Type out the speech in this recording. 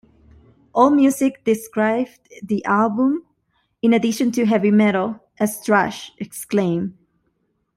Allmusic described the album, in addition to heavy metal, as thrash, Exclaim!